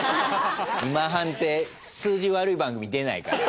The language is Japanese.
今半って数字悪い番組出ないから。